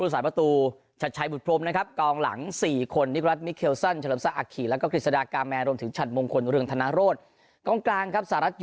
ไทยชนะฮ่องกงได้รวดเลยนะครับ